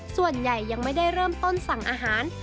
ส่วนใหญ่ยังไม่ได้เริ่มต้นสั่งอาหาร